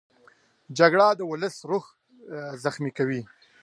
جګړه د ولس روح زخمي کوي